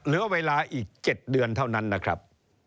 เหลือเวลาอีก๗เดือนเท่านั้นนะครับ